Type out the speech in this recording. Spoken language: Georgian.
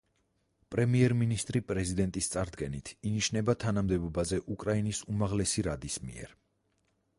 პრემიერ-მინისტრი პრეზიდენტის წარდგენით, ინიშნება თანამდებობაზე უკრაინის უმაღლესი რადის მიერ.